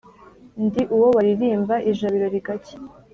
Ndi uwo baririmba ijabiro rigacya